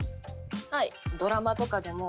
はい。